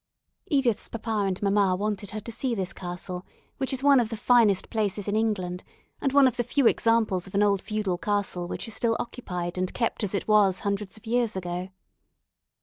Edith's papa and mamma wanted her to see this castle, which is one of the finest places in England, and one of the few examples of an old feudal castle which is still occupied and kept as it was hundreds of years ago.